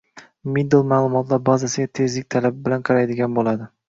Middle ma’lumotlar bazasiga tezlik talabi bilan qaraydigan bo’ladi